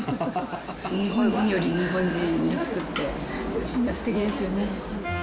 日本人より日本人らしくってすてきですよね。